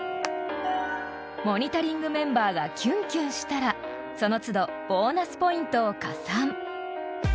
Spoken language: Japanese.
［モニタリングメンバーがキュンキュンしたらその都度ボーナスポイントを加算］